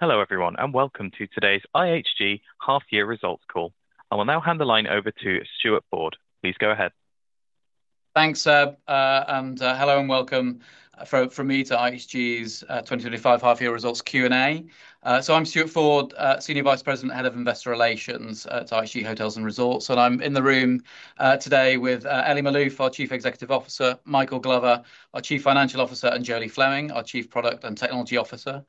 Hello everyone, and welcome to today's IHG Half Year Results call. I will now hand the line over to Stuart Ford. Please go ahead. Thanks, and hello and welcome from me to IHG's 2025 Half Year Results Q&A. I'm Stuart Ford, Senior Vice President, Head of Investor Relations at IHG Hotels & Resorts, and I'm in the room today with Elie Maalouf, our Chief Executive Officer, Michael Glover, our Chief Financial Officer, and Jolie Fleming, our Chief Product and Technology Officer.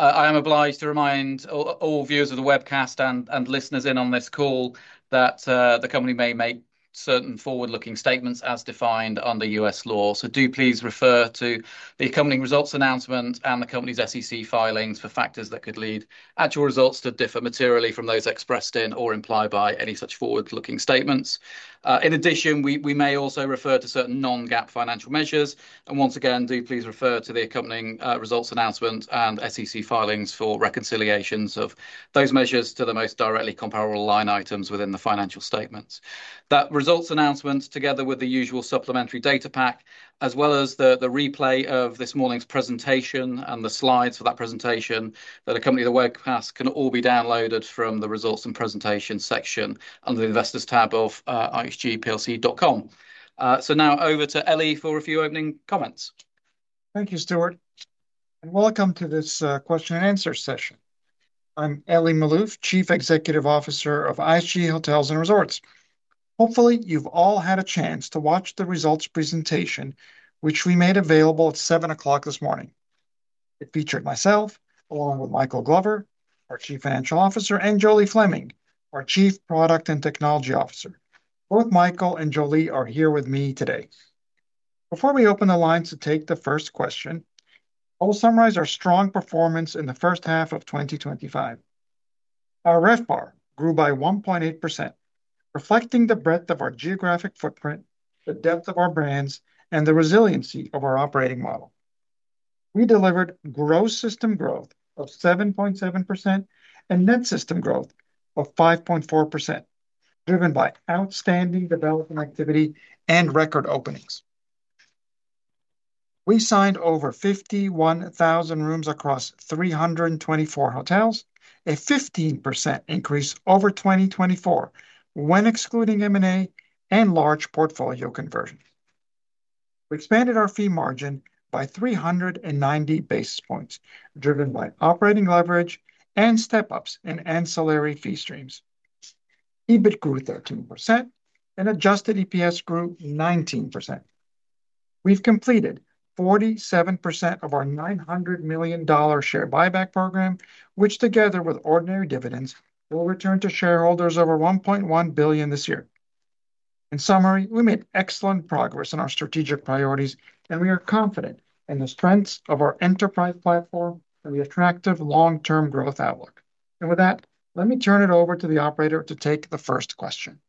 I am obliged to remind all viewers of the webcast and listeners in on this call that the company may make certain forward-looking statements as defined under U.S. law. Please refer to the accompanying results announcement and the company's SEC filings for factors that could lead actual results to differ materially from those expressed in or implied by any such forward-looking statements. In addition, we may also refer to certain non-GAAP financial measures, and once again, please refer to the accompanying results announcement and SEC filings for reconciliations of those measures to the most directly comparable line items within the financial statements. That results announcement, together with the usual supplementary data pack, as well as the replay of this morning's presentation and the slides for that presentation that accompany the webcast, can all be downloaded from the Results and Presentations section under the Investors tab of IHGPLC.com. Now over to Elie for a few opening comments. Thank you, Stuart, and welcome to this question-and-answer session. I'm Elie Maalouf, Chief Executive Officer of IHG Hotels & Resorts. Hopefully, you've all had a chance to watch the results presentation, which we made available at 7 o'clock. this morning. It featured myself, along with Michael Glover, our Chief Financial Officer, and Jolie Fleming, our Chief Product and Technology Officer. Both Michael and Jolie are here with me today. Before we open the lines to take the first question, I'll summarize our strong performance in the first half of 2025. Our RevPAR grew by 1.8%, reflecting the breadth of our geographic footprint, the depth of our brands, and the resiliency of our operating model. We delivered gross system growth of 7.7% and net system growth of 5.4%, driven by outstanding development activity and record openings. We signed over 51,000 rooms across 324 hotels, a 15% increase over 2024 when excluding M&A and large portfolio conversion. We expanded our fee margin by 390 basis points, driven by operating leverage and step-ups in ancillary fee streams. EBIT grew 13%, and adjusted EPS grew 19%. We've completed 47% of our $900 million share buyback program, which, together with ordinary dividends, will return to shareholders over $1.1 billion this year. In summary, we made excellent progress in our strategic priorities, and we are confident in the strengths of our enterprise platform and the attractive long-term growth outlook. With that, let me turn it over to the operator to take the first question.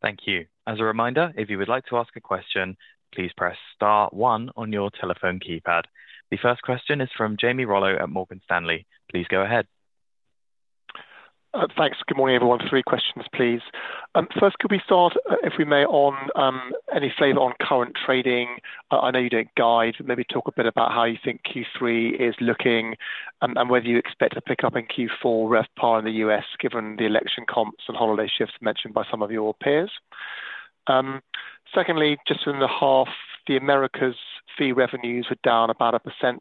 Thank you. As a reminder, if you would like to ask a question, please press star one on your telephone keypad. The first question is from Jamie Rollo at Morgan Stanley. Please go ahead. Thanks. Good morning, everyone. Three questions, please. First, could we start, if we may, on any flavor on current trading? I know you don't guide, but maybe talk a bit about how you think Q3 is looking and whether you expect a pickup in Q4 RevPAR in the U.S., given the election comps and holiday shifts mentioned by some of your peers. Secondly, just in the half, the Americas' fee revenues are down about 1%,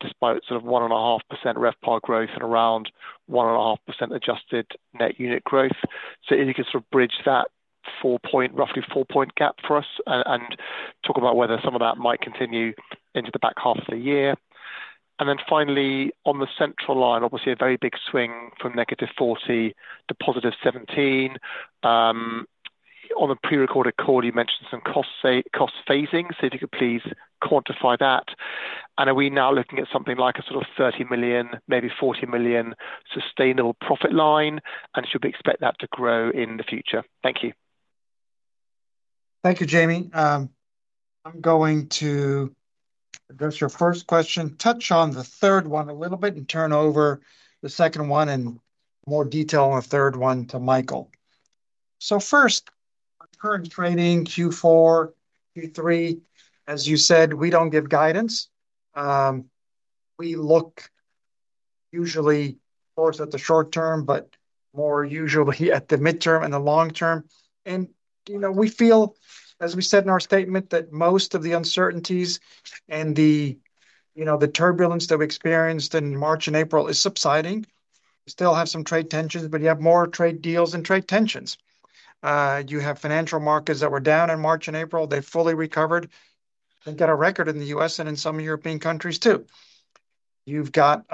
despite sort of 1.5% RevPAR growth and around 1.5% adjusted net unit growth. If you could sort of bridge that four-point, roughly four-point gap for us and talk about whether some of that might continue into the back half of the year. Finally, on the central line, obviously a very big swing from -$40 million to +$17 million. On the prerecorded call, you mentioned some cost phasing, so if you could please quantify that. Are we now looking at something like a sort of $30 million, maybe $40 million sustainable profit line, and should we expect that to grow in the future? Thank you. Thank you, Jamie. I'm going to address your first question, touch on the third one a little bit, and turn over the second one in more detail on the third one to Michael. First, our current trading Q4, Q3, as you said, we don't give guidance. We look usually, of course, at the short term, but more usually at the midterm and the long term. We feel, as we said in our statement, that most of the uncertainties and the turbulence that we experienced in March and April is subsiding. We still have some trade tensions, but you have more trade deals than trade tensions. You have financial markets that were down in March and April. They fully recovered and got a record in the U.S. and in some European countries too. You've got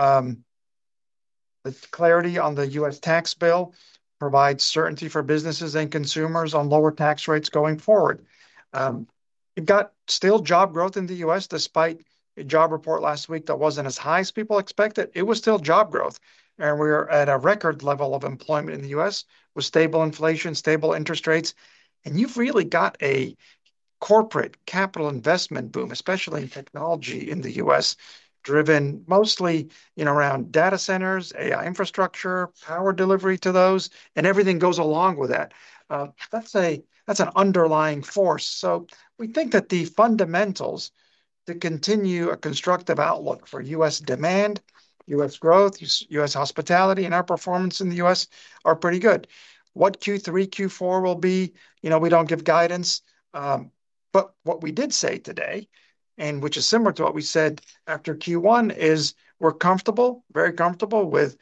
clarity on the U.S. tax bill, provides certainty for businesses and consumers on lower tax rates going forward. You've got still job growth in the U.S. despite a job report last week that wasn't as high as people expected. It was still job growth, and we're at a record level of employment in the U.S. with stable inflation, stable interest rates. You've really got a corporate capital investment boom, especially in technology in the U.S., driven mostly around data centers, AI infrastructure, power delivery to those, and everything that goes along with that. That's an underlying force. We think that the fundamentals to continue a constructive outlook for U.S. demand, U.S. growth, U.S. hospitality, and our performance in the U.S. are pretty good. What Q3, Q4 will be, we don't give guidance. What we did say today, and which is similar to what we said after Q1, is we're comfortable, very comfortable with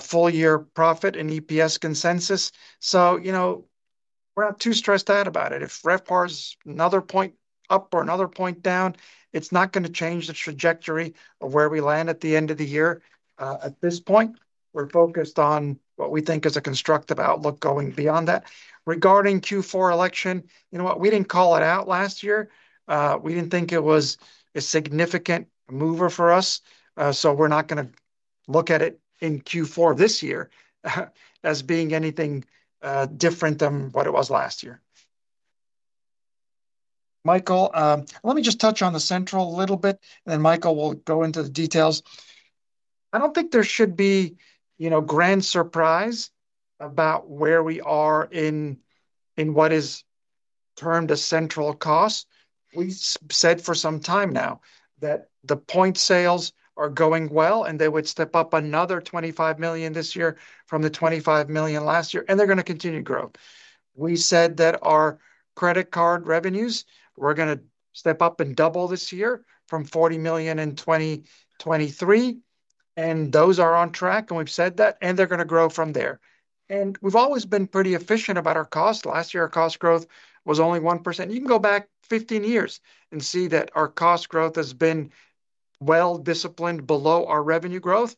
full-year profit and EPS consensus. We're not too stressed out about it. If RevPAR's another point up or another point down, it's not going to change the trajectory of where we land at the end of the year. At this point, we're focused on what we think is a constructive outlook going beyond that. Regarding Q4 election, you know what? We didn't call it out last year. We didn't think it was a significant mover for us. We're not going to look at it in Q4 this year as being anything different than what it was last year. Michael, let me just touch on the central a little bit, and then Michael will go into the details. I don't think there should be a grand surprise about where we are in what is termed a central cost. We've said for some time now that the point sales are going well, and they would step up another $25 million this year from the $25 million last year, and they're going to continue to grow. We said that our credit card revenues were going to step up and double this year from $40 million in 2023, and those are on track, and we've said that, and they're going to grow from there. We've always been pretty efficient about our cost. Last year, our cost growth was only 1%. You can go back 15 years and see that our cost growth has been well disciplined below our revenue growth.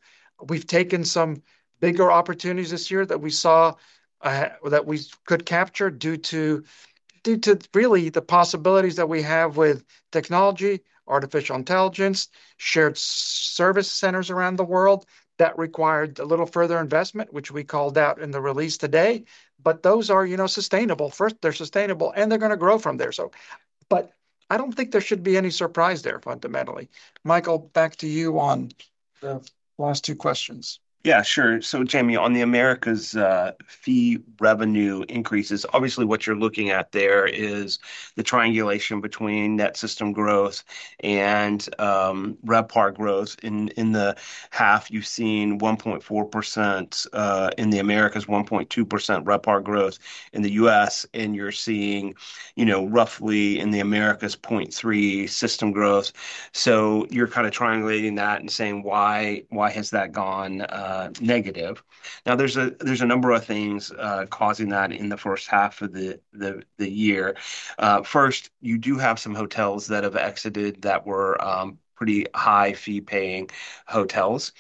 We've taken some bigger opportunities this year that we saw that we could capture due to really the possibilities that we have with technology, artificial intelligence, shared service centers around the world that required a little further investment, which we called out in the release today. Those are sustainable. First, they're sustainable, and they're going to grow from there. I don't think there should be any surprise there, fundamentally. Michael, back to you on the last two questions. Yeah, sure. Jamie, on the Americas' fee revenue increases, obviously what you're looking at there is the triangulation between net system growth and RevPAR growth. In the half, you've seen 1.4% in the Americas, 1.2% RevPAR growth in the U.S., and you're seeing, you know, roughly in the Americas, 0.3% system growth. You're kind of triangulating that and saying, why has that gone negative? There are a number of things causing that in the first half of the year. First, you do have some hotels that have exited that were pretty high fee-paying hotels.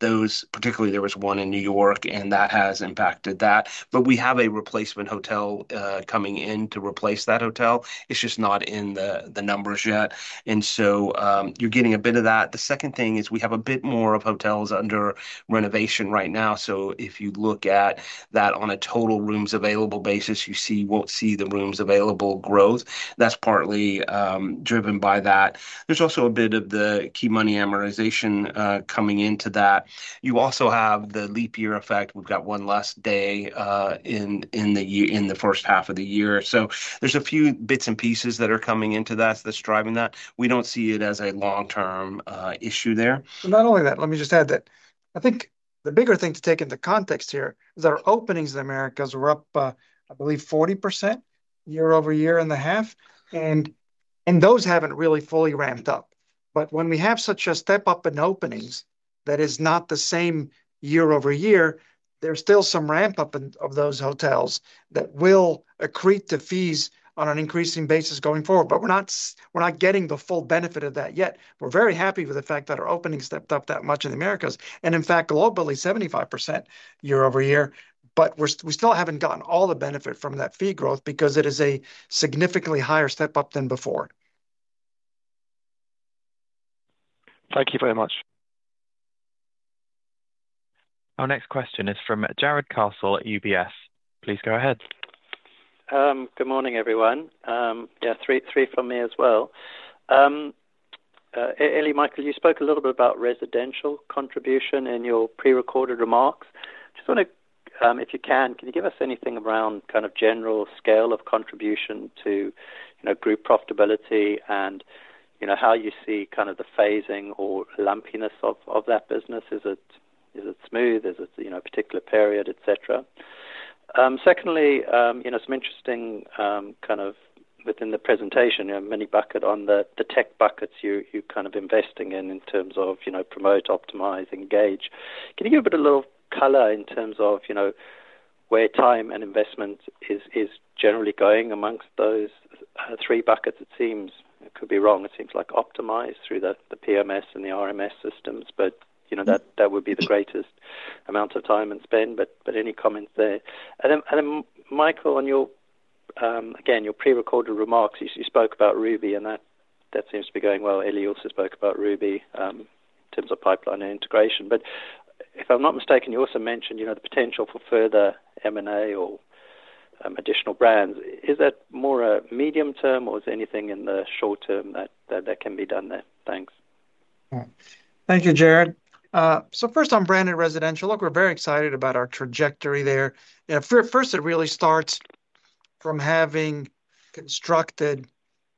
Particularly, there was one in New York, and that has impacted that. We have a replacement hotel coming in to replace that hotel. It's just not in the numbers yet, so you're getting a bit of that. The second thing is we have a bit more of hotels under renovation right now. If you look at that on a total rooms available basis, you won't see the rooms available growth. That's partly driven by that. There's also a bit of the key money amortization coming into that. You also have the leap year effect. We've got one less day in the first half of the year. There are a few bits and pieces that are coming into that that's driving that. We don't see it as a long-term issue there. Not only that, let me just add that I think the bigger thing to take into context here is that our openings in the Americas were up, I believe, 40% year-over-year in the half. Those haven't really fully ramped up. When we have such a step-up in openings that is not the same year-over-year, there's still some ramp-up of those hotels that will accrete to fees on an increasing basis going forward. We're not getting the full benefit of that yet. We're very happy with the fact that our openings stepped up that much in the Americas, and in fact, globally, 75% year-over-year. We still haven't gotten all the benefit from that fee growth because it is a significantly higher step-up than before. Thank you very much. Our next question is from Jarrod Castle at UBS. Please go ahead. Good morning, everyone. Yeah, three from me as well. Elie, Michael, you spoke a little bit about residential contribution in your prerecorded remarks. Just want to, if you can, can you give us anything around kind of general scale of contribution to group profitability and how you see kind of the phasing or lumpiness of that business? Is it smooth? Is it a particular period, etc.? Secondly, you know, some interesting kind of within the presentation, you know, many bucket on the tech buckets you're kind of investing in in terms of promote, optimize, engage. Can you give a bit of a little color in terms of, you know, where time and investment is generally going amongst those three buckets? It seems, I could be wrong, it seems like optimize through the PMS and the RMS systems, but you know, that would be the greatest amount of time and spend. Any comments there? Michael, on your, again, your prerecorded remarks, you spoke about Ruby and that seems to be going well. Elie also spoke about Ruby in terms of pipeline integration. If I'm not mistaken, you also mentioned, you know, the potential for further M&A or additional brands. Is that more a medium term or is there anything in the short term that can be done there? Thanks. All right. Thank you, Jarrod. First on branded residential, look, we're very excited about our trajectory there. First, it really starts from having constructed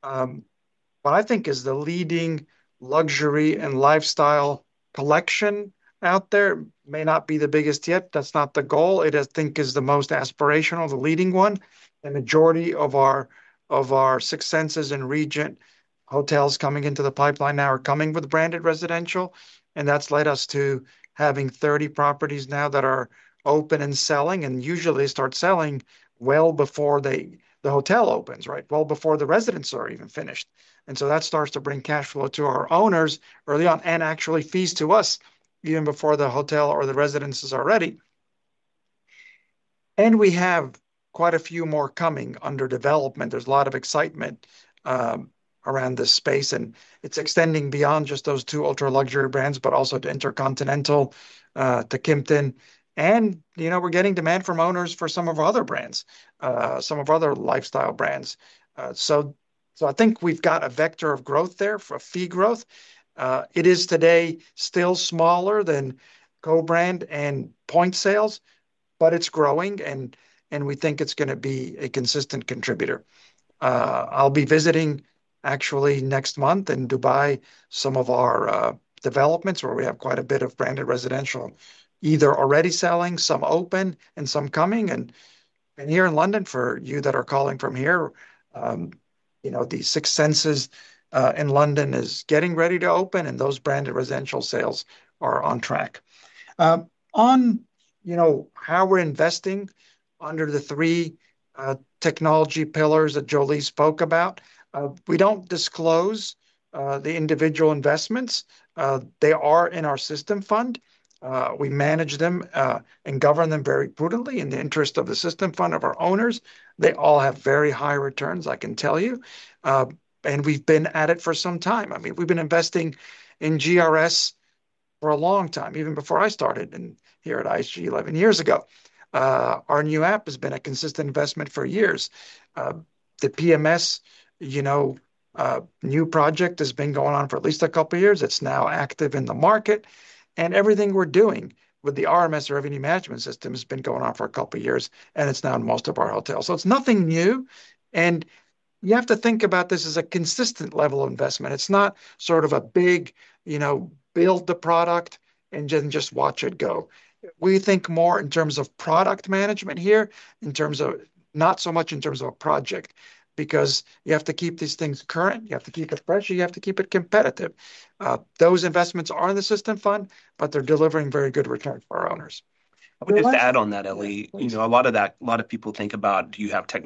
what I think is the leading luxury and lifestyle collection out there. It may not be the biggest yet. That's not the goal. It, I think, is the most aspirational, the leading one. The majority of our successes in Regent Hotels coming into the pipeline now are coming with branded residential. That's led us to having 30 properties now that are open and selling. Usually they start selling well before the hotel opens, right? Well before the residences are even finished. That starts to bring cash flow to our owners early on and actually fees to us even before the hotel or the residences are ready. We have quite a few more coming under development. There's a lot of excitement around this space. It's extending beyond just those two ultra-luxury brands, but also to InterContinental, to Kimpton. We're getting demand from owners for some of our other brands, some of our other lifestyle brands. I think we've got a vector of growth there for fee growth. It is today still smaller than co-brand and point sales, but it's growing. We think it's going to be a consistent contributor. I'll be visiting actually next month in Dubai some of our developments where we have quite a bit of branded residential, either already selling, some open, and some coming. Here in London, for you that are calling from here, the Six Senses in London is getting ready to open, and those branded residential sales are on track. On how we're investing under the three technology pillars that Jolie spoke about, we don't disclose the individual investments. They are in our system fund. We manage them and govern them very prudently in the interest of the system fund of our owners. They all have very high returns, I can tell you. We've been at it for some time. I mean, we've been investing in GRS for a long time, even before I started here at IHG 11 years ago. Our new app has been a consistent investment for years. The PMS, new project, has been going on for at least a couple of years. It's now active in the market. Everything we're doing with the RMS or revenue management system has been going on for a couple of years, and it's now in most of our hotels. It's nothing new. You have to think about this as a consistent level of investment. It's not sort of a big, you know, build the product and then just watch it go. We think more in terms of product management here, not so much in terms of a project, because you have to keep these things current. You have to keep it fresh. You have to keep it competitive. Those investments are in the system fund, but they're delivering very good returns for our owners. I would just add on that, Elie, you know, a lot of that, a lot of people think about you have tech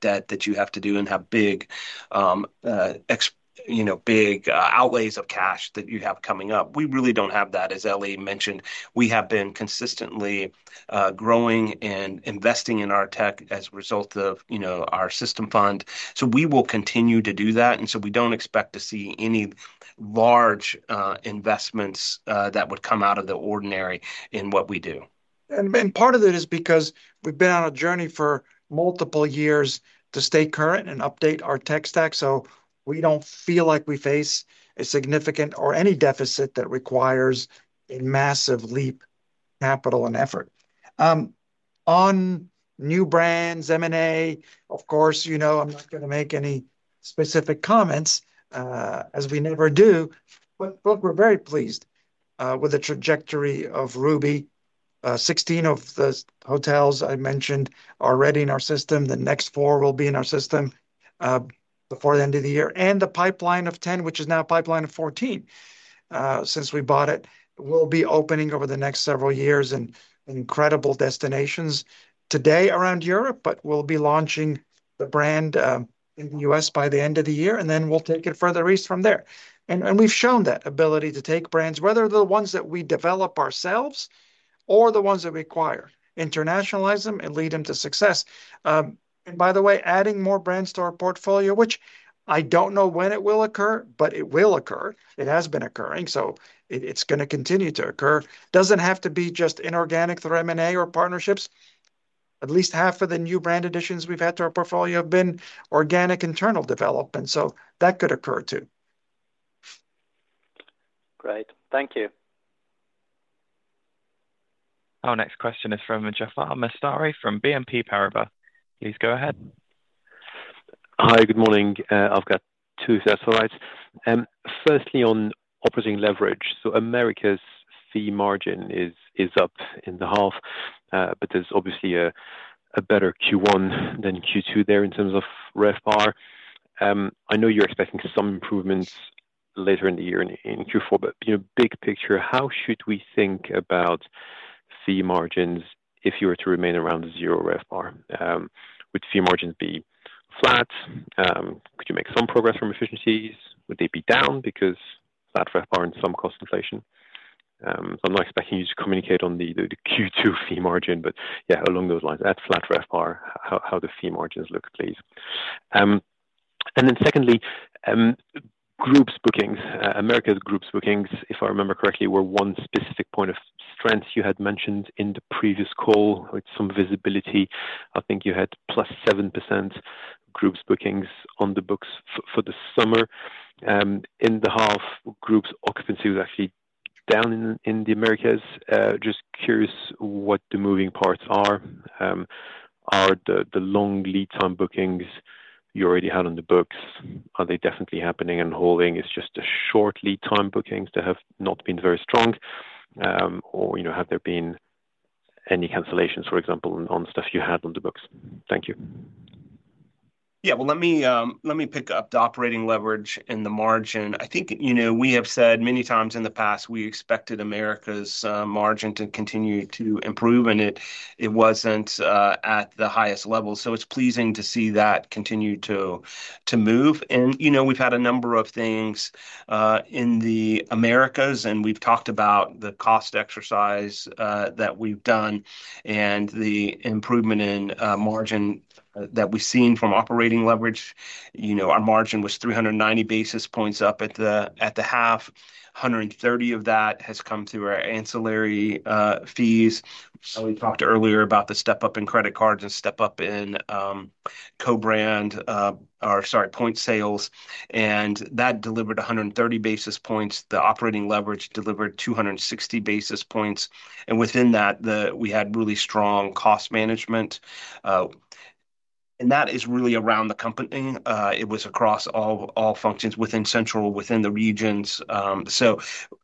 debt that you have to do and have big, you know, big outlays of cash that you have coming up. We really don't have that. As Elie mentioned, we have been consistently growing and investing in our tech as a result of, you know, our system fund. We will continue to do that, and we don't expect to see any large investments that would come out of the ordinary in what we do. Part of it is because we've been on a journey for multiple years to stay current and update our tech stack. We don't feel like we face a significant or any deficit that requires a massive leap of capital and effort. On new brands, M&A, of course, you know, I'm not going to make any specific comments, as we never do. We are very pleased with the trajectory of Ruby. Sixteen of the hotels I mentioned are already in our system. The next four will be in our system before the end of the year. The pipeline of 10, which is now a pipeline of 14 since we bought it, will be opening over the next several years in incredible destinations today around Europe. We will be launching the brand in the U.S. by the end of the year, and then we'll take it further east from there. We've shown that ability to take brands, whether the ones that we develop ourselves or the ones that we acquire, internationalize them and lead them to success. By the way, adding more brands to our portfolio, which I don't know when it will occur, but it will occur. It has been occurring. It's going to continue to occur. It doesn't have to be just inorganic through M&A or partnerships. At least half of the new brand additions we've had to our portfolio have been organic internal development. That could occur too. Great. Thank you. Our next question is from Jaafar Mestari from BNP Paribas. Please go ahead. Hi, good morning. I've got two sets. Firstly, on operating leverage, so Americas fee margin is up in the half, but there's obviously a better Q1 than Q2 there in terms of RevPAR. I know you're expecting some improvements later in the year in Q4, but big picture, how should we think about fee margins if you were to remain around zero RevPAR? Would fee margins be flat? Could you make some progress from efficiencies? Would they be down because flat RevPAR and some cost inflation? I'm not expecting you to communicate on the Q2 fee margin, but along those lines, at flat RevPAR, how do fee margins look, please? Secondly, groups bookings, Americas groups bookings, if I remember correctly, were one specific point of strength you had mentioned in the previous call with some visibility. I think you had +7% groups bookings on the books for the summer. In the half, groups occupancy was actually down in the Americas. Just curious what the moving parts are. Are the long lead time bookings you already had on the books, are they definitely happening and holding? It's just the short lead time bookings that have not been very strong. Have there been any cancellations, for example, on stuff you had on the books? Thank you. Let me pick up the operating leverage and the margin. I think, you know, we have said many times in the past, we expected Americas margin to continue to improve, and it wasn't at the highest level. It's pleasing to see that continue to move. We've had a number of things in the Americas, and we've talked about the cost exercise that we've done and the improvement in margin that we've seen from operating leverage. Our margin was 390 basis points up at the half. 130 basis points of that has come through our ancillary fees. We talked earlier about the step-up in credit cards and step-up in co-brand or, sorry, point sales. That delivered 130 basis points. The operating leverage delivered 260 basis points. Within that, we had really strong cost management. That is really around the company. It was across all functions within central, within the regions.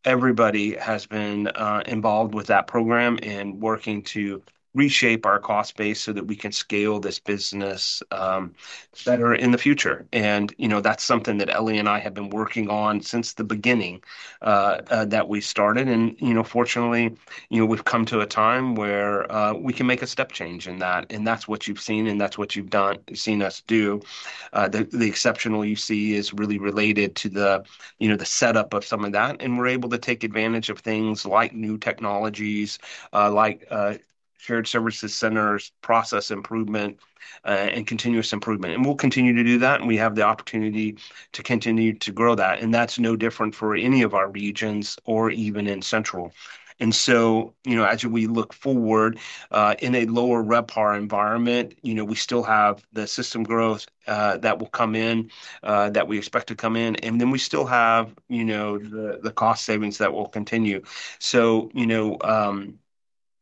Everybody has been involved with that program and working to reshape our cost base so that we can scale this business better in the future. That's something that Elie and I have been working on since the beginning that we started. Fortunately, we've come to a time where we can make a step change in that. That's what you've seen, and that's what you've done. You've seen us do. The exceptional you see is really related to the setup of some of that. We're able to take advantage of things like new technologies, like shared services centers, process improvement, and continuous improvement. We'll continue to do that. We have the opportunity to continue to grow that. That's no different for any of our regions or even in central. As we look forward in a lower RevPAR environment, we still have the system growth that will come in, that we expect to come in. We still have the cost savings that will continue.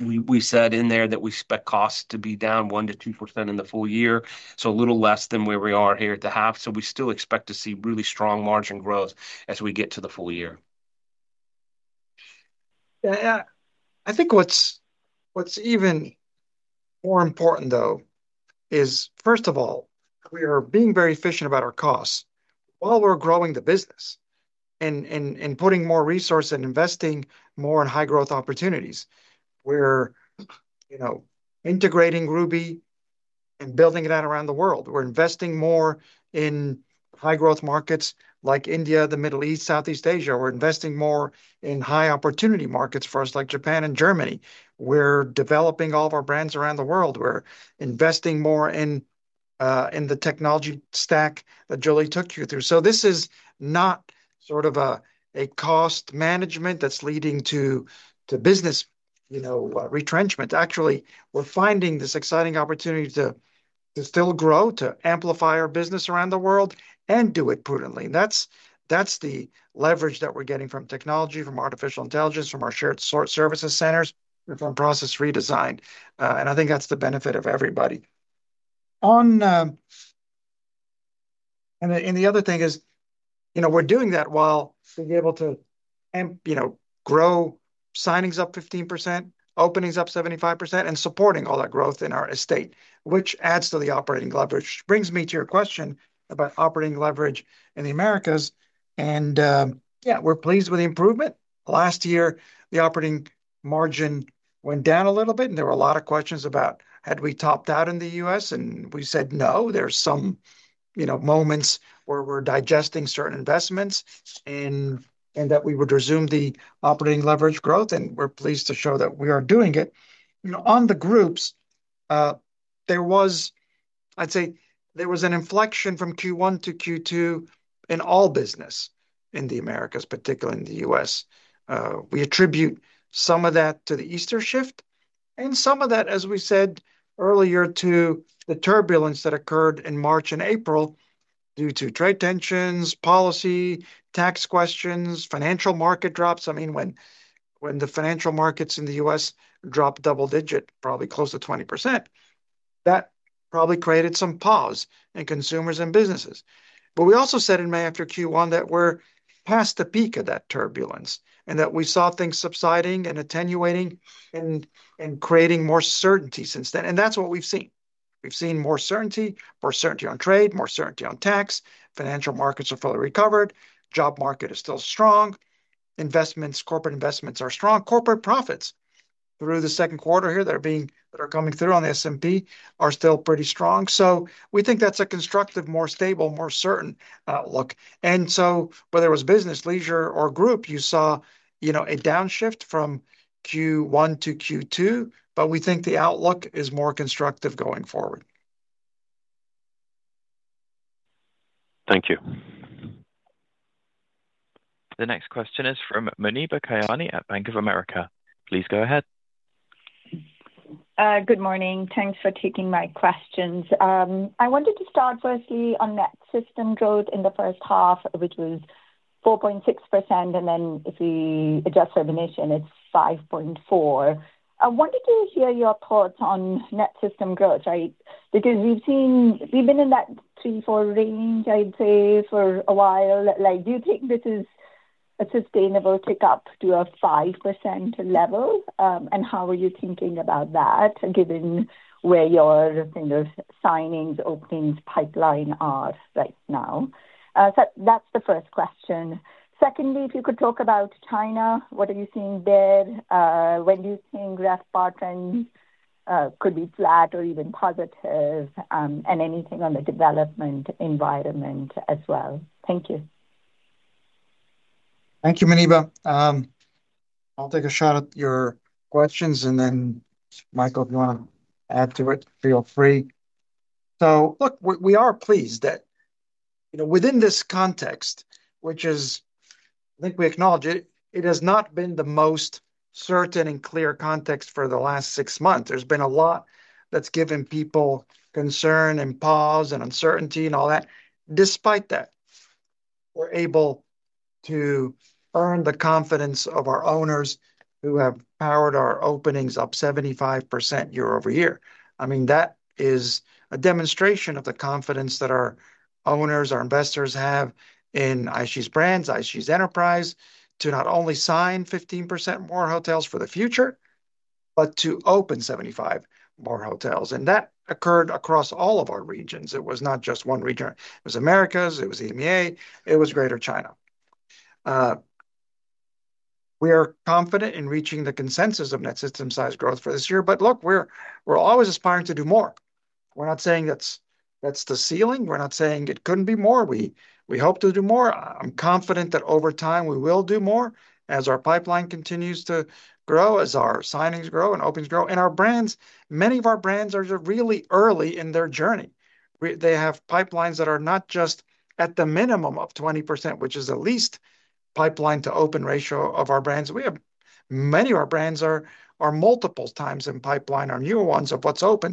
We said in there that we expect costs to be down 1%-2% in the full year. A little less than where we are here at the half. We still expect to see really strong margin growth as we get to the full year. Yeah, I think what's even more important, though, is, first of all, we are being very efficient about our costs while we're growing the business and putting more resource and investing more in high-growth opportunities. We're integrating Ruby Hotels and building that around the world. We're investing more in high-growth markets like India, the Middle East, Southeast Asia. We're investing more in high-opportunity markets for us like Japan and Germany. We're developing all of our brands around the world. We're investing more in the technology stack that Jolie took you through. This is not sort of a cost management that's leading to business retrenchment. Actually, we're finding this exciting opportunity to still grow, to amplify our business around the world and do it prudently. That's the leverage that we're getting from technology, from artificial intelligence, from our shared services centers, and from process redesign. I think that's the benefit for everybody. The other thing is, we're doing that while being able to grow signings up 15%, openings up 75%, and supporting all that growth in our estate, which adds to the operating leverage, which brings me to your question about operating leverage in the Americas. Yeah, we're pleased with the improvement. Last year, the operating margin went down a little bit, and there were a lot of questions about had we topped out in the U.S., and we said no. There are some moments where we're digesting certain investments and that we would resume the operating leverage growth, and we're pleased to show that we are doing it. On the groups, I'd say there was an inflection from Q1 to Q2 in all business in the Americas, particularly in the U.S. We attribute some of that to the Easter shift and some of that, as we said earlier, to the turbulence that occurred in March and April due to trade tensions, policy, tax questions, financial market drops. I mean, when the financial markets in the U.S. dropped double digit, probably close to 20%, that probably created some pause in consumers and businesses. We also said in May after Q1 that we're past the peak of that turbulence and that we saw things subsiding and attenuating and creating more certainty since then. That's what we've seen. We've seen more certainty, more certainty on trade, more certainty on tax. Financial markets are fully recovered. Job market is still strong. Investments, corporate investments are strong. Corporate profits through the second quarter here that are coming through on the S&P are still pretty strong. We think that's a constructive, more stable, more certain look. Whether it was business, leisure, or group, you saw a downshift from Q1 to Q2. We think the outlook is more constructive going forward. Thank you. The next question is from Muneeba Kayani at Bank of America. Please go ahead. Good morning. Thanks for taking my questions. I wanted to start firstly on net system growth in the first half, which was 4.6%. If we adjust for the nation, it's 5.4%. I wanted to hear your thoughts on net system growth, right? We've been in that 3%-4% range, I'd say, for a while. Do you think this is a sustainable tick up to a 5% level? How are you thinking about that given where your kind of signings, openings, pipeline are right now? That's the first question. Secondly, if you could talk about China, what are you seeing there? When do you think RevPAR trends could be flat or even positive? Anything on the development environment as well? Thank you. Thank you, Muneeba. I'll take a shot at your questions, and then Michael, if you want to add to it, feel free. We are pleased that, you know, within this context, which is, I think we acknowledge it, it has not been the most certain and clear context for the last six months. There's been a lot that's given people concern and pause and uncertainty and all that. Despite that, we're able to earn the confidence of our owners who have powered our openings up 75% year-over-year. I mean, that is a demonstration of the confidence that our owners, our investors have in IHG's brands, IHG's enterprise, to not only sign 15% more hotels for the future, but to open 75 more hotels. That occurred across all of our regions. It was not just one region. It was Americas. It was EMEA. It was Greater China. We are confident in reaching the consensus of net system size growth for this year. We're always aspiring to do more. We're not saying that's the ceiling. We're not saying it couldn't be more. We hope to do more. I'm confident that over time we will do more as our pipeline continues to grow, as our signings grow and openings grow, and our brands, many of our brands are really early in their journey. They have pipelines that are not just at the minimum of 20%, which is the least pipeline to open ratio of our brands. We have many of our brands that are multiple times in pipeline, our newer ones of what's open.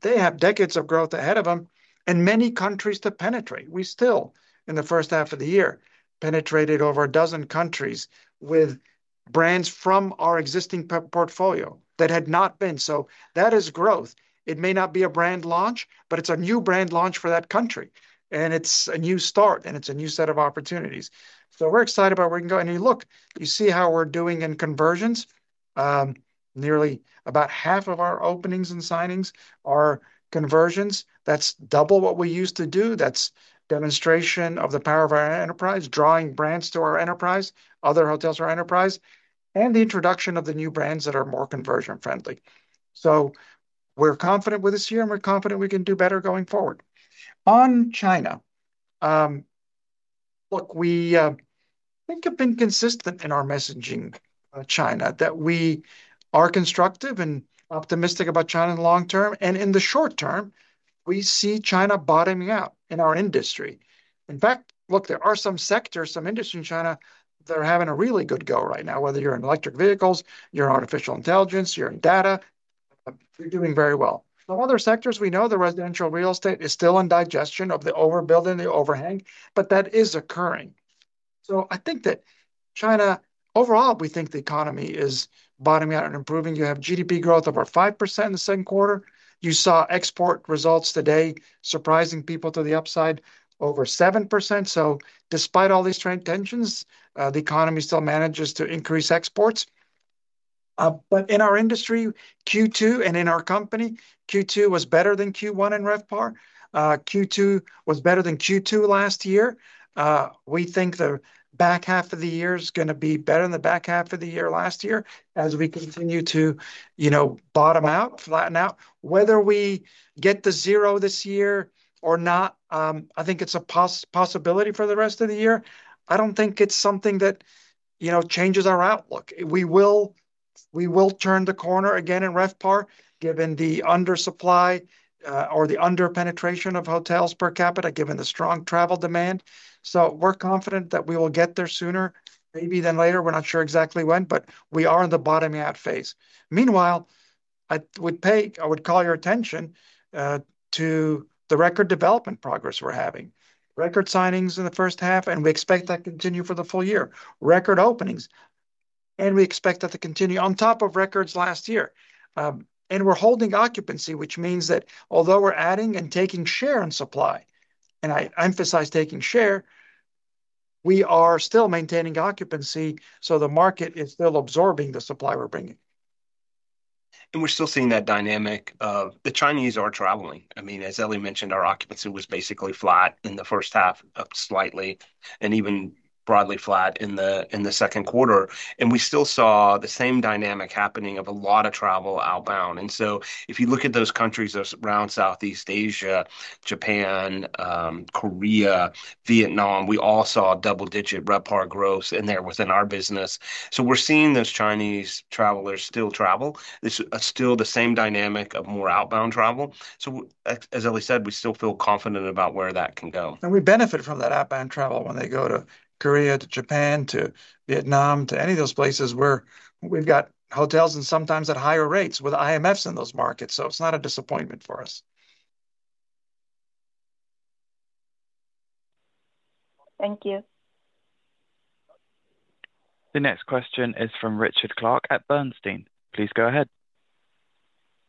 They have decades of growth ahead of them and many countries to penetrate. We still, in the first half of the year, penetrated over a dozen countries with brands from our existing portfolio that had not been. That is growth. It may not be a brand launch, but it's a new brand launch for that country. It's a new start, and it's a new set of opportunities. We're excited about where we can go. You look, you see how we're doing in conversions. Nearly about half of our openings and signings are conversions. That's double what we used to do. That's a demonstration of the power of our enterprise, drawing brands to our enterprise, other hotels to our enterprise, and the introduction of the new brands that are more conversion-friendly. We're confident with this year, and we're confident we can do better going forward. On China, we think I've been consistent in our messaging on China that we are constructive and optimistic about China in the long term. In the short term, we see China bottoming out in our industry. In fact, look, there are some sectors, some industries in China that are having a really good go right now, whether you're in electric vehicles, you're in artificial intelligence, you're in data. They're doing very well. Some other sectors, we know the residential real estate is still in digestion of the overbuilding, the overhang, but that is occurring. I think that China overall, we think the economy is bottoming out and improving. You have GDP growth over 5% in the second quarter. You saw export results today surprising people to the upside over 7%. Despite all these tensions, the economy still manages to increase exports. In our industry, Q2 and in our company, Q2 was better than Q1 in RevPAR. Q2 was better than Q2 last year. We think the back half of the year is going to be better than the back half of the year last year as we continue to, you know, bottom out, flatten out. Whether we get to zero this year or not, I think it's a possibility for the rest of the year. I don't think it's something that, you know, changes our outlook. We will turn the corner again in RevPAR given the undersupply or the underpenetration of hotels per capita given the strong travel demand. We're confident that we will get there sooner, maybe then later. We're not sure exactly when, but we are in the bottoming out phase. Meanwhile, I would call your attention to the record development progress we're having. Record signings in the first half, and we expect that to continue for the full year. Record openings, and we expect that to continue on top of records last year. We're holding occupancy, which means that although we're adding and taking share in supply, and I emphasize taking share, we are still maintaining occupancy. The market is still absorbing the supply we're bringing. We're still seeing that dynamic of the Chinese are traveling. I mean, as Elie mentioned, our occupancy was basically flat in the first half, slightly, and even broadly flat in the second quarter. We still saw the same dynamic happening of a lot of travel outbound. If you look at those countries around Southeast Asia, Japan, Korea, Vietnam, we all saw double-digit RevPAR growth in there within our business. We're seeing those Chinese travelers still travel. It's still the same dynamic of more outbound travel. As Elie said, we still feel confident about where that can go. We benefit from that outbound travel when they go to Korea, to Japan, to Vietnam, to any of those places where we've got hotels, and sometimes at higher rates with IMFs in those markets. It's not a disappointment for us. Thank you. The next question is from Richard Clarke at Bernstein. Please go ahead.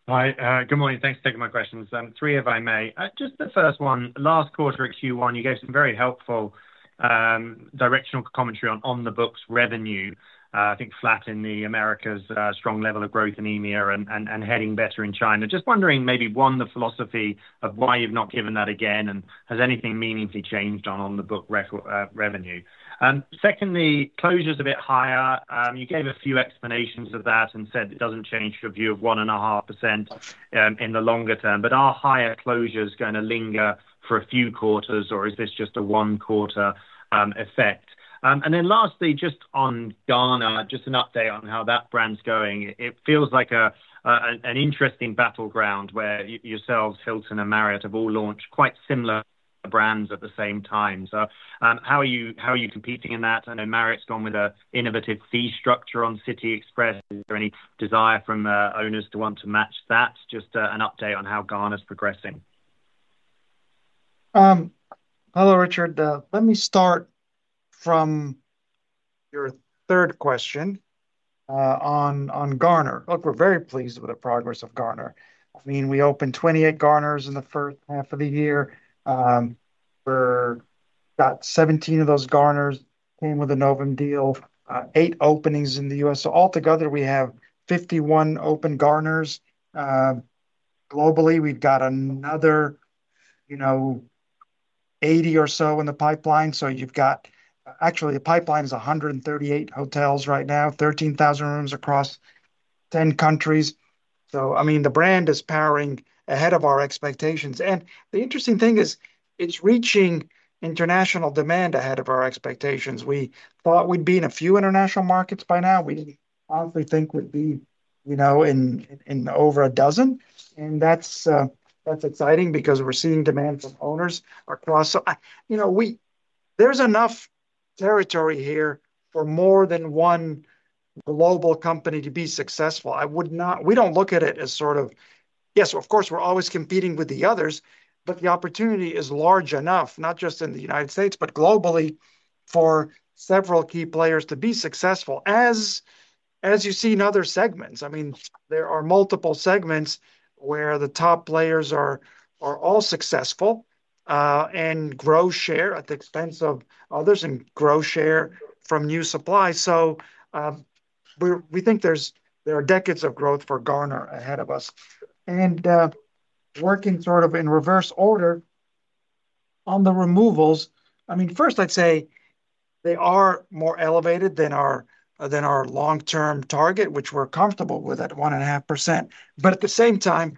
Hi, good morning. Thanks for taking my questions. Three if I may. Just the first one, last quarter at Q1, you gave some very helpful directional commentary on the books' revenue. I think flat in the Americas, strong level of growth in EMEA and heading better in Greater China. Just wondering maybe one, the philosophy of why you've not given that again, and has anything meaningfully changed on the book revenue? Secondly, closures a bit higher. You gave a few explanations of that and said it doesn't change your view of 1.5% in the longer term. Are higher closures going to linger for a few quarters, or is this just a one-quarter effect? Lastly, just on Garner, just an update on how that brand's going. It feels like an interesting battleground where yourselves, Hilton and Marriott have all launched quite similar brands at the same time. How are you competing in that? I know Marriott's gone with an innovative fee structure on City Express. Is there any desire from owners to want to match that? Just an update on how Garner's progressing. Hello, Richard. Let me start from your third question on Garner. Look, we're very pleased with the progress of Garner. I mean, we opened 28 Garners in the first half of the year. We've got 17 of those Garners came with a NOVUM Hospitality deal, eight openings in the U.S. Altogether, we have 51 open Garners. Globally, we've got another 80 or so in the pipeline. You've got actually a pipeline that is 138 hotels right now, 13,000 rooms across 10 countries. The brand is powering ahead of our expectations. The interesting thing is it's reaching international demand ahead of our expectations. We thought we'd be in a few international markets by now. We didn't honestly think we'd be in over a dozen. That's exciting because we're seeing demand from owners across. There's enough territory here for more than one global company to be successful. I would not, we don't look at it as sort of, yes, of course, we're always competing with the others, but the opportunity is large enough, not just in the U.S., but globally for several key players to be successful. As you see in other segments, there are multiple segments where the top players are all successful and grow share at the expense of others and grow share from new supplies. We think there are decades of growth for Garner ahead of us. Working in reverse order on the removals, first I'd say they are more elevated than our long-term target, which we're comfortable with at 1.5%. At the same time,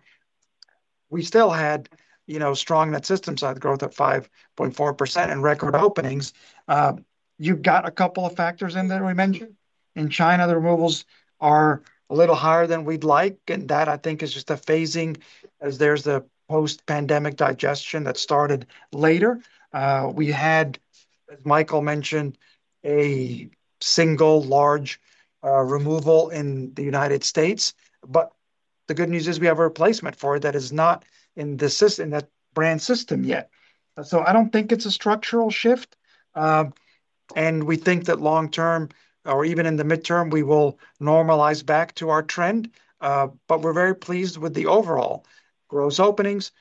we still had strong net system size growth at 5.4% and record openings. You've got a couple of factors in there we mentioned. In Greater China, the removals are a little higher than we'd like. That is just a phasing as there's a post-pandemic digestion that started later. We had, as Michael mentioned, a single large removal in the U.S. The good news is we have a replacement for it that is not in the brand system yet. I don't think it's a structural shift. We think that long-term, or even in the midterm, we will normalize back to our trend. We're very pleased with the overall growth, openings,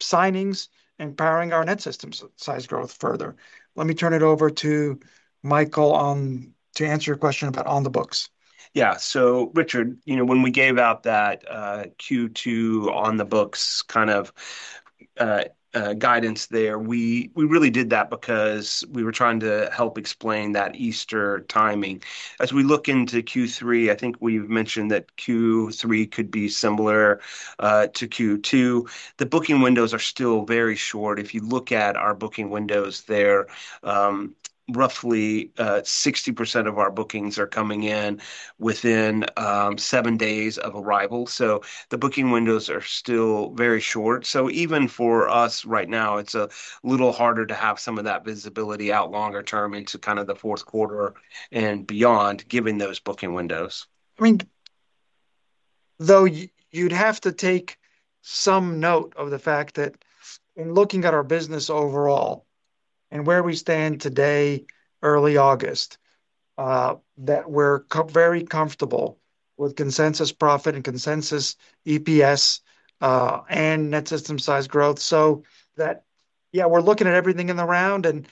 signings, and powering our net system size growth further. Let me turn it over to Michael to answer your question about on the books. Yeah, Richard, when we gave out that Q2 on the books kind of guidance there, we really did that because we were trying to help explain that Easter timing. As we look into Q3, I think we've mentioned that Q3 could be similar to Q2. The booking windows are still very short. If you look at our booking windows, roughly 60% of our bookings are coming in within seven days of arrival. The booking windows are still very short. Even for us right now, it's a little harder to have some of that visibility out longer term into the fourth quarter and beyond given those booking windows. You'd have to take some note of the fact that in looking at our business overall and where we stand today, early August, we're very comfortable with consensus profit and consensus EPS and net system size growth. We're looking at everything in the round. If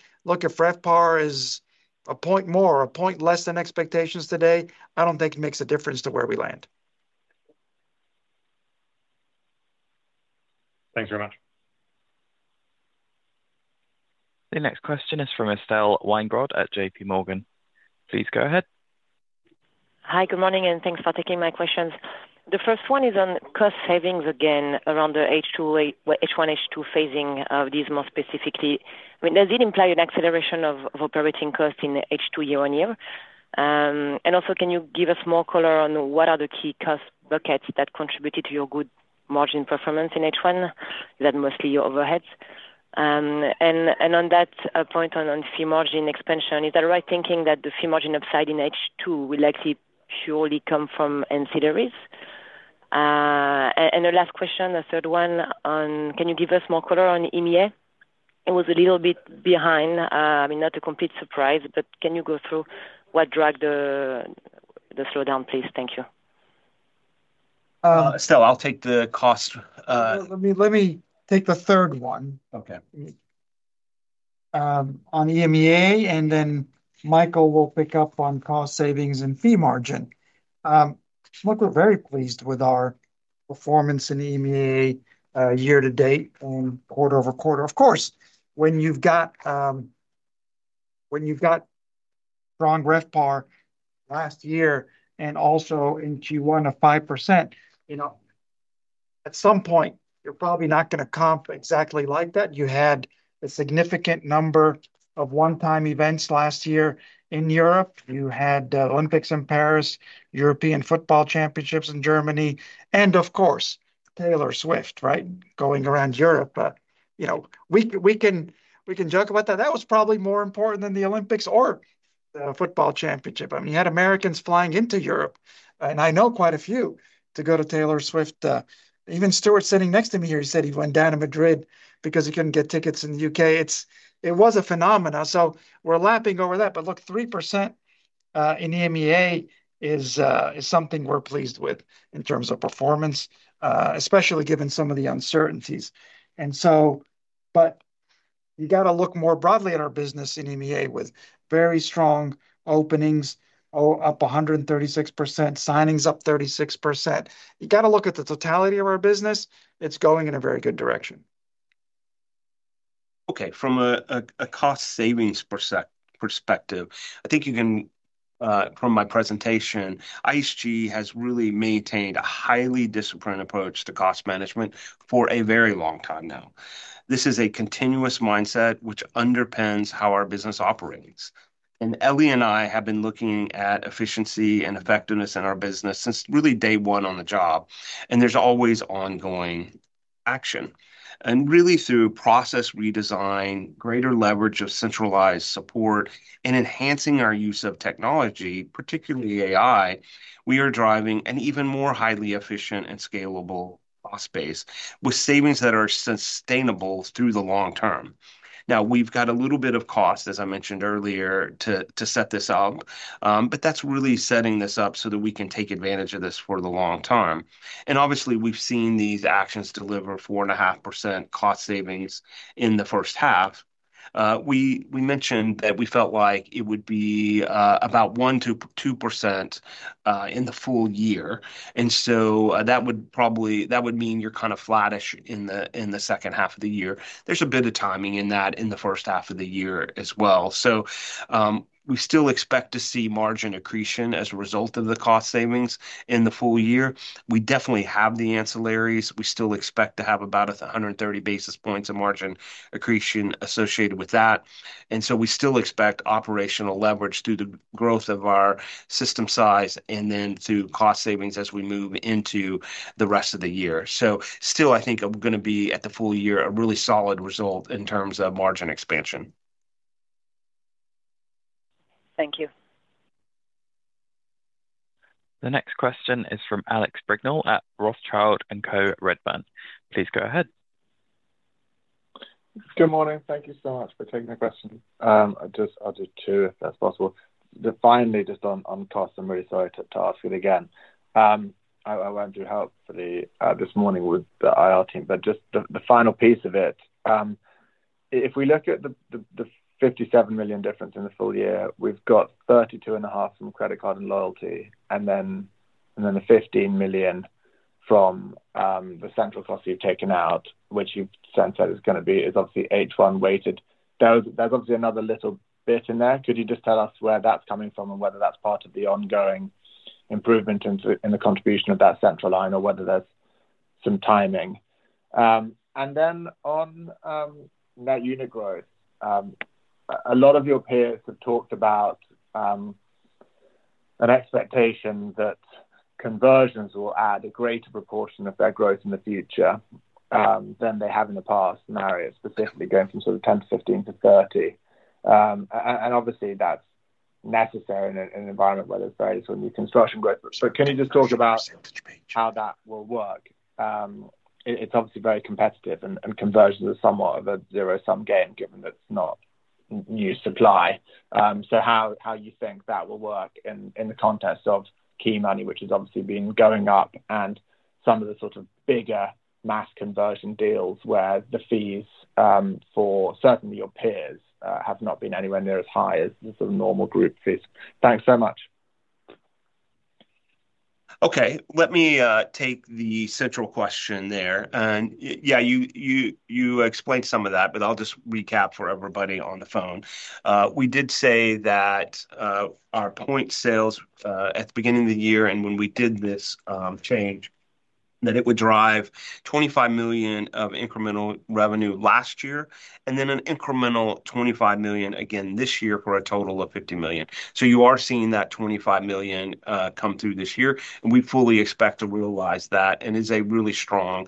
RevPAR is a point more, a point less than expectations today, I don't think it makes a difference to where we land. Thanks very much. The next question is from Estelle Weingrod at JPMorgan. Please go ahead. Hi, good morning, and thanks for taking my questions. The first one is on cost savings again around the H2 or H1 H2 phasing of these more specifically. Does it imply an acceleration of operating cost in H2 year-on-year? Also, can you give us more color on what are the key cost buckets that contributed to your good margin performance in H1? Is that mostly your overheads? On that point on fee margin expansion, is that right thinking that the fee margin upside in H2 will actually purely come from NCRs? The last question, the third one, can you give us more color on EMEA? It was a little bit behind. Not a complete surprise, but can you go through what dragged the slowdown, please? Thank you. Estelle, I'll take the cost. Let me take the third one. OK. On EMEA, and then Michael will pick up on cost savings and fee margin. Look, we're very pleased with our performance in EMEA year to date and quarter-over-quarter. Of course, when you've got strong RevPAR last year and also in Q1 of 5%, you know, at some point, you're probably not going to comp exactly like that. You had a significant number of one-time events last year in Europe. You had the Olympics in Paris, European football championships in Germany, and of course, Taylor Swift, right, going around Europe. You know, we can joke about that. That was probably more important than the Olympics or the football championship. I mean, you had Americans flying into Europe, and I know quite a few to go to Taylor Swift. Even Stuart sitting next to me here, he said he went down to Madrid because he couldn't get tickets in the U.K. It was a phenomenon. We're lapping over that. Look, 3% in EMEA is something we're pleased with in terms of performance, especially given some of the uncertainties. You got to look more broadly at our business in EMEA with very strong openings, up 136%, signings up 36%. You got to look at the totality of our business. It's going in a very good direction. OK, from a cost savings perspective, I think you can, from my presentation, IHG has really maintained a highly disciplined approach to cost management for a very long time now. This is a continuous mindset which underpins how our business operates. Elie and I have been looking at efficiency and effectiveness in our business since really day one on the job. There's always ongoing action. Really through process redesign, greater leverage of centralized support, and enhancing our use of technology, particularly AI, we are driving an even more highly efficient and scalable space with savings that are sustainable through the long term. We've got a little bit of cost, as I mentioned earlier, to set this up. That's really setting this up so that we can take advantage of this for the long term. Obviously, we've seen these actions deliver 4.5% cost savings in the first half. We mentioned that we felt like it would be about 1%-2% in the full year. That would mean you're kind of flattish in the second half of the year. There's a bit of timing in that in the first half of the year as well. We still expect to see margin accretion as a result of the cost savings in the full year. We definitely have the ancillaries. We still expect to have about 130 basis points of margin accretion associated with that. We still expect operational leverage through the growth of our system size and then through cost savings as we move into the rest of the year. I think I'm going to be at the full year a really solid result in terms of margin expansion. Thank you. The next question is from Alex Brignall at Rothschild & Co Redburn. Please go ahead. Good morning. Thank you so much for taking my question. I just added to, if that's possible, finally, just on cost. I'm really sorry to ask it again. I won't do help for this morning with the IR team, but just the final piece of it. If we look at the $57 million difference in the full year, we've got $32.5 million from credit card and loyalty, and then the $15 million from the central costs you've taken out, which you sense that is going to be obviously H1 weighted. There's obviously another little bit in there. Could you just tell us where that's coming from and whether that's part of the ongoing improvement in the contribution of that central line or whether there's some timing? On net unit growth, a lot of your peers have talked about an expectation that conversions will add a greater proportion of their growth in the future than they have in the past scenario, specifically going from sort of 10% to 15% to 30%. Obviously, that's necessary in an environment where there's very little new construction growth. Can you just talk about how that will work? It's obviously very competitive, and conversions are somewhat of a zero-sum game, given that it's not new supply. How do you think that will work in the context of key money, which has obviously been going up, and some of the sort of bigger mass conversion deals where the fees for certainly your peers have not been anywhere near as high as the sort of normal group fees. Thanks so much. OK, let me take the central question there. You explained some of that, but I'll just recap for everybody on the phone. We did say that our point sales at the beginning of the year, and when we did this change, that it would drive $25 million of incremental revenue last year, and then an incremental $25 million again this year for a total of $50 million. You are seeing that $25 million come through this year, and we fully expect to realize that, and it is a really strong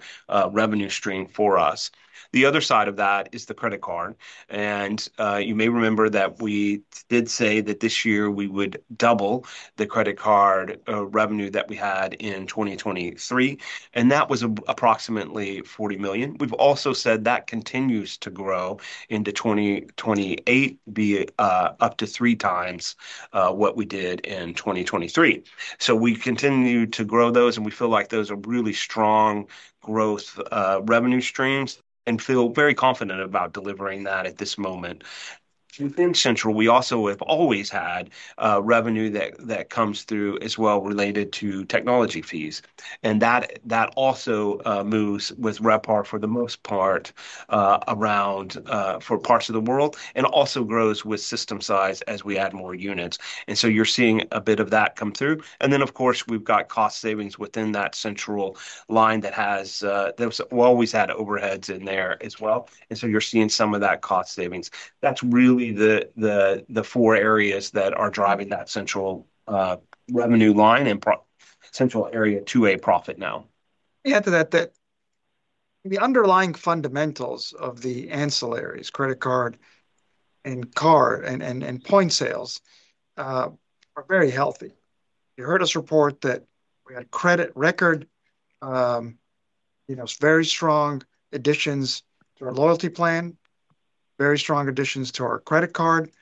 revenue stream for us. The other side of that is the credit card. You may remember that we did say that this year we would double the credit card revenue that we had in 2023, and that was approximately $40 million. We've also said that continues to grow into 2028, be up to 3x what we did in 2023. We continue to grow those, and we feel like those are really strong growth revenue streams and feel very confident about delivering that at this moment. Within central, we also have always had revenue that comes through as well related to technology fees. That also moves with RevPAR for the most part around for parts of the world and also grows with system size as we add more units. You are seeing a bit of that come through. Of course, we've got cost savings within that central line that has always had overheads in there as well. You are seeing some of that cost savings. That's really the four areas that are driving that central revenue line and central area to a profit now. To add to that, the underlying fundamentals of the ancillaries, credit card and card and point sales, are very healthy. You heard us report that we had credit record, you know, very strong additions to our loyalty plan, very strong additions to our credit card.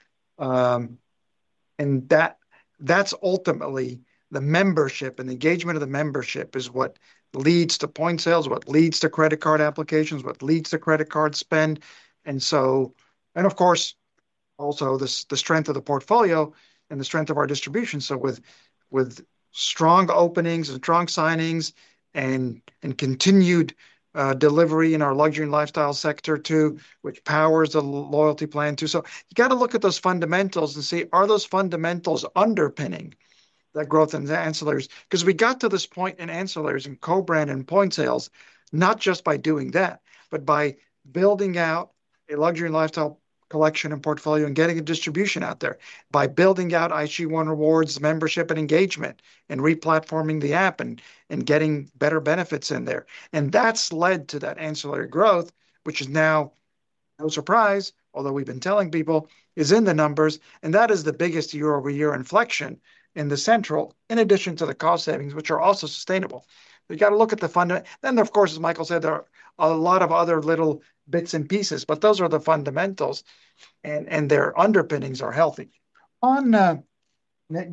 That's ultimately the membership and the engagement of the membership is what leads to point sales, what leads to credit card applications, what leads to credit card spend. Of course, also the strength of the portfolio and the strength of our distribution. With strong openings and strong signings and continued delivery in our luxury and lifestyle sector too, which powers the loyalty plan too. You got to look at those fundamentals and see, are those fundamentals underpinning that growth in the ancillaries? We got to this point in ancillaries and co-brand and point sales, not just by doing that, but by building out a luxury and lifestyle collection and portfolio and getting a distribution out there, by building out IHG One Rewards membership and engagement and replatforming the app and getting better benefits in there. That's led to that ancillary growth, which is now no surprise, although we've been telling people, is in the numbers. That is the biggest year-over-year inflection in the central, in addition to the cost savings, which are also sustainable. You got to look at the fundamentals. Then, of course, as Michael said, there are a lot of other little bits and pieces, but those are the fundamentals, and their underpinnings are healthy. On net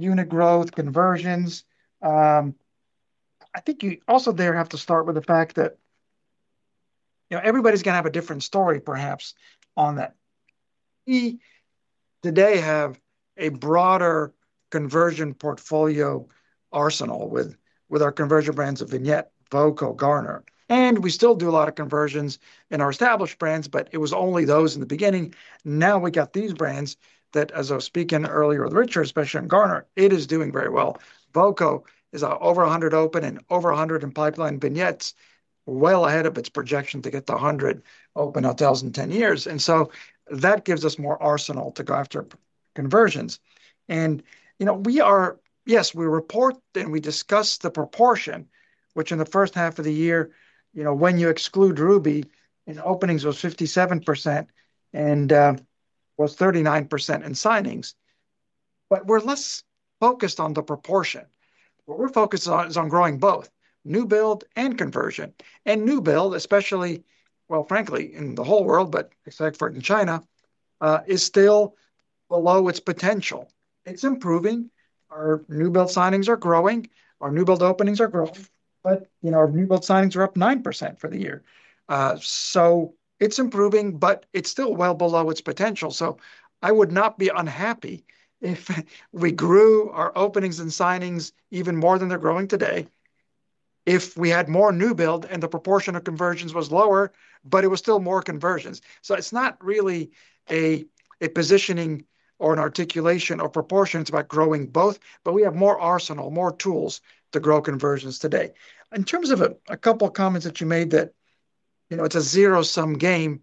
unit growth conversions, I think you also there have to start with the fact that, you know, everybody's going to have a different story perhaps on that. We today have a broader conversion portfolio arsenal with our conversion brands of Vignette Collection, Voco, Garner. We still do a lot of conversions in our established brands, but it was only those in the beginning. Now we got these brands that, as I was speaking earlier with Richard, especially on Garner, it is doing very well. Voco is over 100 open and over 100 in pipeline. Vignette Collection's well ahead of its projection to get to 100 open hotels in 10 years. That gives us more arsenal to go after conversions. We are, yes, we report and we discuss the proportion, which in the first half of the year, when you exclude Ruby Hotels, openings was 57% and was 39% in signings. We're less focused on the proportion. What we're focused on is on growing both new build and conversion. New build, especially, frankly, in the whole world except for in Greater China, is still below its potential. It's improving. Our new build signings are growing. Our new build openings are growing. Our new build signings are up 9% for the year. It's improving, but it's still well below its potential. I would not be unhappy if we grew our openings and signings even more than they're growing today. If we had more new build and the proportion of conversions was lower, but it was still more conversions. It's not really a positioning or an articulation or proportion. It's about growing both. We have more arsenal, more tools to grow conversions today. In terms of a couple of comments that you made that it's a zero-sum game,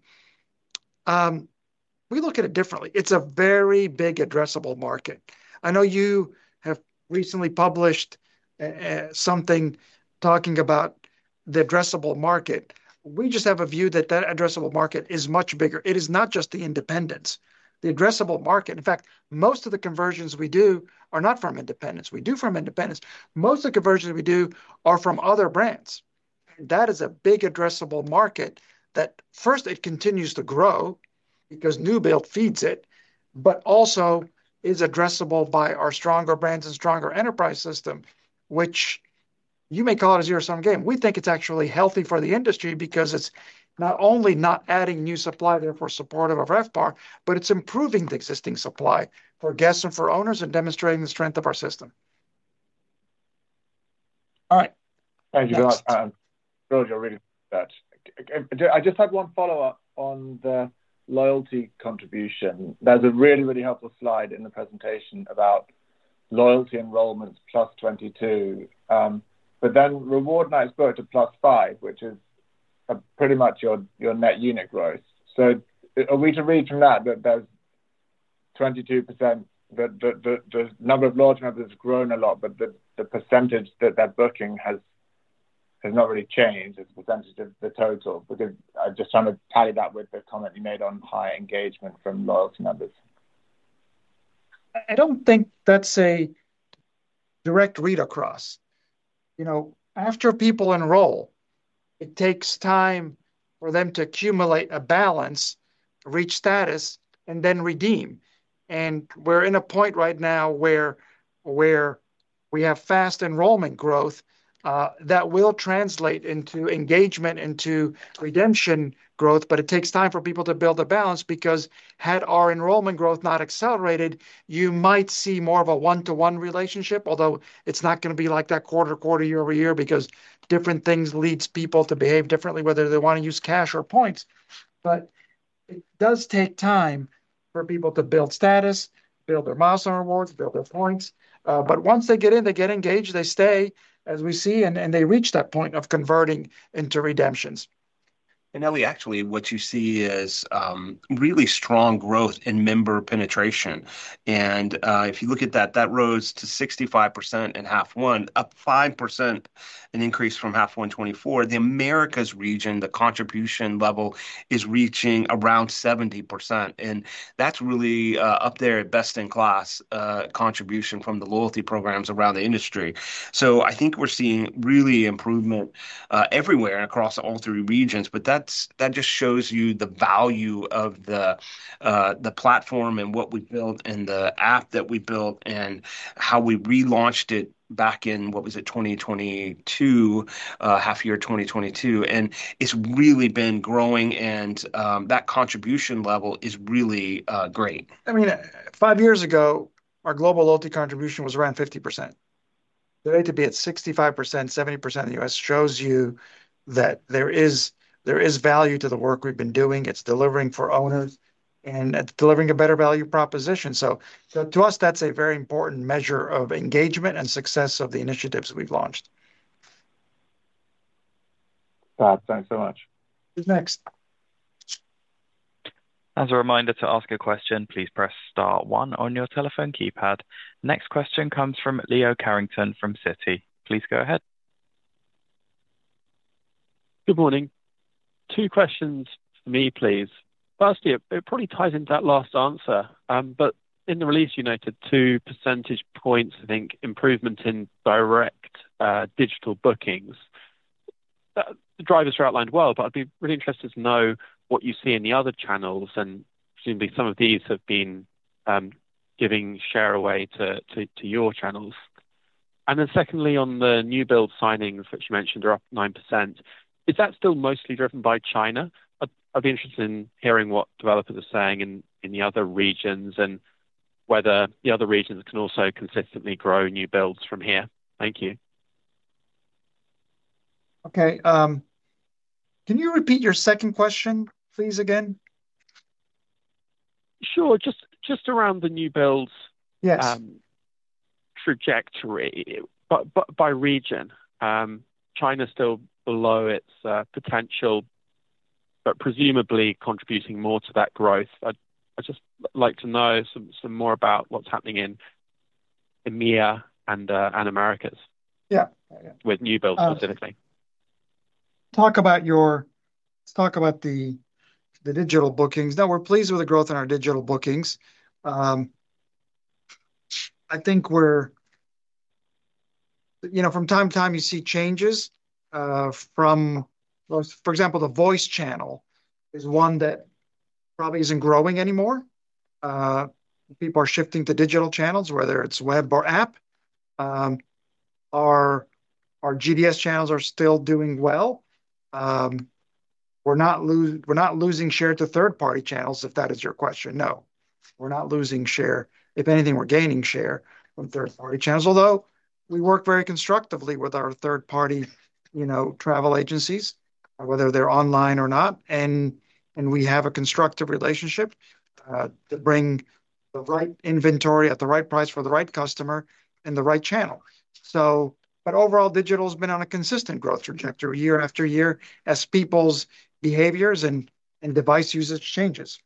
we look at it differently. It's a very big addressable market. I know you have recently published something talking about the addressable market. We just have a view that that addressable market is much bigger. It is not just the independents. The addressable market, in fact, most of the conversions we do are not from independents. We do from independents. Most of the conversions we do are from other brands. That is a big addressable market that first continues to grow because new build feeds it, but also is addressable by our stronger brands and stronger enterprise system, which you may call a zero-sum game. We think it's actually healthy for the industry because it's not only not adding new supply, therefore supportive of RevPAR, but it's improving the existing supply for guests and for owners and demonstrating the strength of our system. Thank you very much. I'm really glad. I just had one follow-up on the loyalty contribution. There's a really, really helpful slide in the presentation about loyalty enrollments +22%. Then reward nights brought to +5%, which is pretty much your net unit growth. Are we to read from that that there's 22%, the number of loyalty members has grown a lot, but the percentage that they're booking has not really changed as a percentage of the total? I'm just trying to patty that with the comment you made on high engagement from loyalty members. I don't think that's a direct read across. After people enroll, it takes time for them to accumulate a balance, reach status, and then redeem. We're in a point right now where we have fast enrollment growth that will translate into engagement, into redemption growth. It takes time for people to build a balance because had our enrollment growth not accelerated, you might see more of a one-to-one relationship, although it's not going to be like that quarter-to-quarter, year-over-year, because different things lead people to behave differently, whether they want to use cash or points. It does take time for people to build status, build their milestone rewards, build their points. Once they get in, they get engaged, they stay, as we see, and they reach that point of converting into redemptions. Elie, actually, what you see is really strong growth in member penetration. If you look at that, that rose to 65% in half one, up 5% in increase from half one 2024. The Americas region, the contribution level is reaching around 70%. That's really up there at best-in-class contribution from the loyalty programs around the industry. I think we're seeing really improvement everywhere across all three regions. That just shows you the value of the platform and what we built and the app that we built and how we relaunched it back in, what was it, 2022, half year 2022. It's really been growing and that contribution level is really great. Five years ago, our global loyalty contribution was around 50%. Today, to be at 65%-70% in the U.S. shows you that there is value to the work we've been doing. It's delivering for owners and delivering a better value proposition. To us, that's a very important measure of engagement and success of the initiatives we've launched. Thanks so much. Who's next? As a reminder to ask your question, please press star one on your telephone keypad. Next question comes from Leo Carrington from Citi. Please go ahead. Good morning. Two questions for me, please. Firstly, it probably ties into that last answer, but in the release, you noted 2% improvement in direct digital bookings. The drivers are outlined well, but I'd be really interested to know what you see in the other channels, and presumably some of these have been giving share away to your channels. Secondly, on the new build signings, which you mentioned are up 9%, is that still mostly driven by China? I'd be interested in hearing what developers are saying in the other regions and whether the other regions can also consistently grow new builds from here. Thank you. OK. Can you repeat your second question, please? Sure. Just around the new builds trajectory, by region, Greater China is still below its potential, but presumably contributing more to that growth. I'd just like to know some more about what's happening in EMEA and the Americas. Yeah. With new builds, specifically. Let's talk about the digital bookings. We're pleased with the growth in our digital bookings. I think from time to time, you see changes. For example, the voice channel is one that probably isn't growing anymore. People are shifting to digital channels, whether it's web or app. Our GDS channels are still doing well. We're not losing share to third-party channels, if that is your question. No, we're not losing share. If anything, we're gaining share from third-party channels, although we work very constructively with our third-party travel agencies, whether they're online or not. We have a constructive relationship to bring the right inventory at the right price for the right customer in the right channel. Overall, digital has been on a consistent growth trajectory year-after-year as people's behaviors and device usage changes.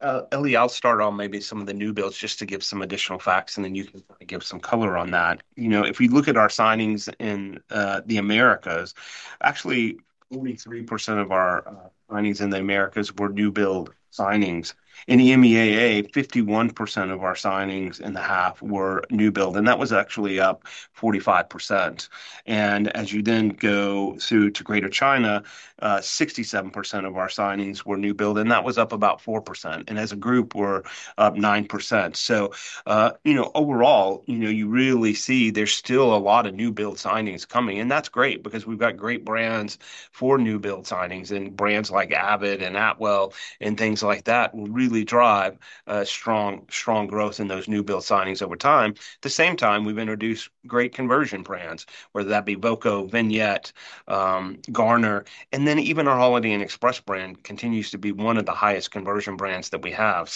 Elie, I'll start on maybe some of the new builds just to give some additional facts, and then you can kind of give some color on that. If we look at our signings in the Americas, actually 43% of our signings in the Americas were new build signings. In EMEA, 51% of our signings in the half were new build, and that was actually up 45%. As you then go through to Greater China, 67% of our signings were new build, and that was up about 4%. As a group, we're up 9%. Overall, you really see there's still a lot of new build signings coming. That's great because we've got great brands for new build signings, and brands like Avid Hotels and Atwell Suites and things like that will really drive strong, strong growth in those new build signings over time. At the same time, we've introduced great conversion brands, whether that be Voco, Vignette Collection, Garner, and then even our Holiday Inn Express brand continues to be one of the highest conversion brands that we have.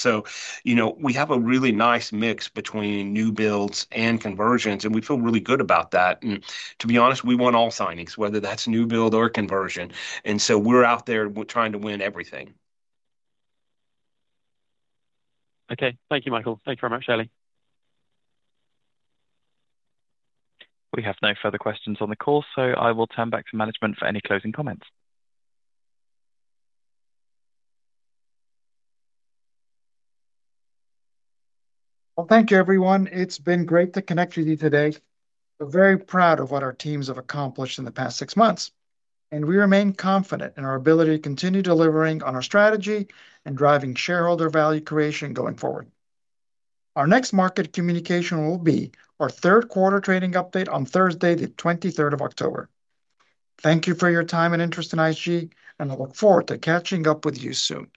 We have a really nice mix between new builds and conversions, and we feel really good about that. To be honest, we want all signings, whether that's new build or conversion. We're out there trying to win everything. OK. Thank you, Michael. Thank you very much, Elie. We have no further questions on the call, so I will turn back to management for any closing comments. Thank you, everyone. It's been great to connect with you today. We're very proud of what our teams have accomplished in the past six months, and we remain confident in our ability to continue delivering on our strategy and driving shareholder value creation going forward. Our next market communication will be our third quarter trading update on Thursday, the 23rd of October. Thank you for your time and interest in IHG, and I look forward to catching up with you soon.